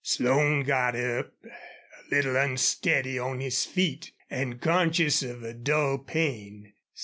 Slone got up, a little unsteady on his feet and conscious of a dull pain.